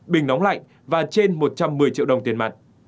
bình nóng lạnh và trên một trăm một mươi triệu đồng tiền mặt